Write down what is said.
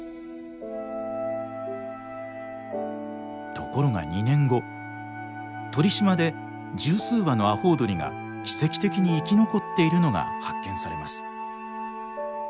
ところが２年後鳥島で十数羽のアホウドリが奇跡的に生き残っているのが発見されます。